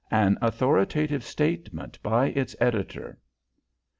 AN AUTHORITATIVE STATEMENT BY ITS EDITOR.